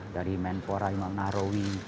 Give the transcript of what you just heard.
dari menporah imang nahrawi